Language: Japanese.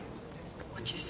こっちです。